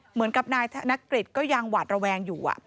เหมือนกับนายธนกฤษก็ยังหวาดระแวงอยู่